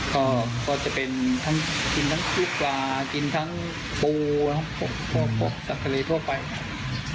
ก็จะเป็นทั้งกินทั้งพริกปลากินทั้งปูทั้งห่อหมกสัตว์ทะเลทั่วไปครับ